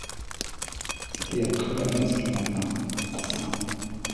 C'était après la messe du matin à St.